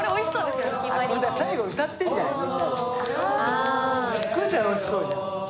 すっごい楽しそうじゃん。